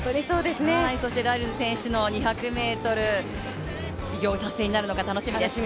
そしてライルズ選手の２００ｍ偉業達成になるのか楽しみです。